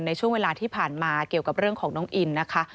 ในช่วงเวลาที่ผ่านมาเกี่ยวกับเรื่องของน้องอินนะคะ